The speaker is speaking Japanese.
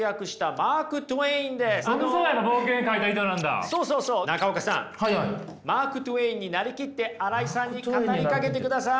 マーク・トウェインになりきって新井さんに語りかけてください。